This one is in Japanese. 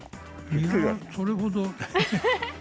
それほど。